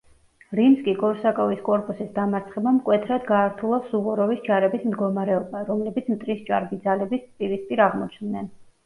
რიმსკი-კორსაკოვის კორპუსის დამარცხებამ მკვეთრად გაართულა სუვოროვის ჯარების მდგომარეობა, რომლებიც მტრის ჭარბი ძალების პირისპირ აღმოჩნდნენ.